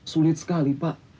sulit sekali pak